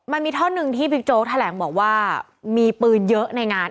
มันมีท่อนึงที่มิจโจทัลแหลงบอกว่ามีปืนเยอะในงาน